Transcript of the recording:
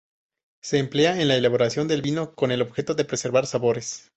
Se emplea en la elaboración del vino con el objeto de preservar sabores.